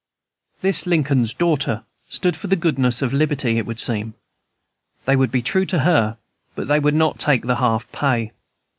This "Lincoln's daughter" stood for the Goddess of Liberty, it would seem. They would be true to her, but they would not take the half pay.